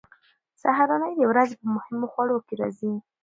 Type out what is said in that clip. سهارنۍ د ورځې په مهمو خوړو کې راځي.